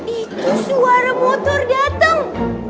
itu suara motor dateng